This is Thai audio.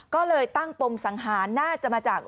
ก็เลยตั้งปมสังหาร